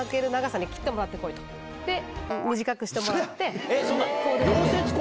で短くしてもらって。